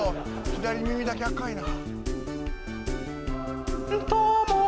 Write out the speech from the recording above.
左耳だけ赤いな。